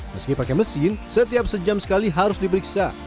meski pakai mesin setiap sejam sekali harus diperiksa